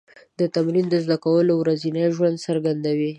دا تمرین د زده کوونکو ورځنی ژوند څرګندوي.